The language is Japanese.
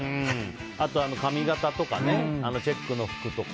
あと、髪形とかチェックの服とか。